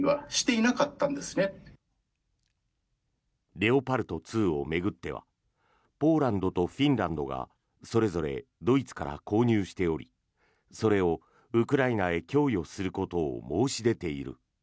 レオパルト２を巡ってはポーランドとフィンランドがそれぞれドイツから購入しておりそれをウクライナへ供与することを申し出ている。